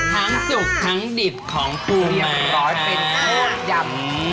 ทั้งสุกทั้งดิบของคู่แม่